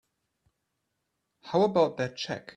How about that check?